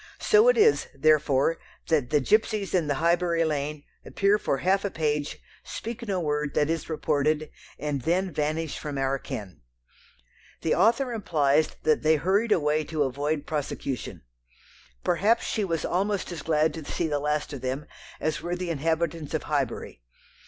So it is, therefore, that the gipsies in the Highbury lane appear for half a page, speak no word that is reported, and then vanish from our ken. The author implies that they hurried away to avoid prosecution. Perhaps she was almost as glad to see the last of them as were the inhabitants of Highbury.